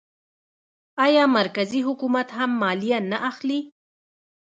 آیا مرکزي حکومت هم مالیه نه اخلي؟